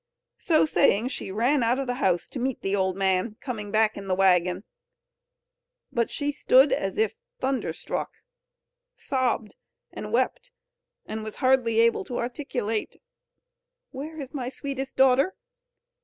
'" So saying she ran out of the house to meet the old man, coming back in the waggon; but she stood as if thunderstruck, sobbed, and wept, and was hardly able to articulate: "Where is my sweetest daughter?"